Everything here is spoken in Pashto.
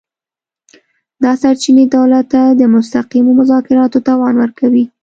دا سرچینې دولت ته د مستقیمو مذاکراتو توان ورکوي